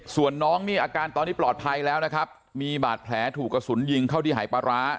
ส่วนน้องนี่อาการตอนนี้ปลอดภัยแล้วนะครับมีบาดแผลถูกกระสุนยิงเข้าที่หายปลาร้า